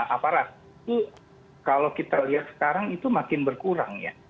aparat itu kalau kita lihat sekarang itu makin berkurang ya